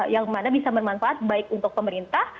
yang mana bisa bermanfaat baik untuk pemerintah